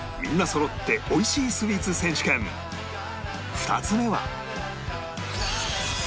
２つ目は